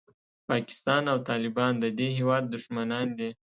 پاکستان او طالبان د دې هېواد دښمنان دي.